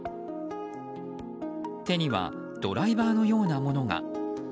手にはドライバーのようなものが。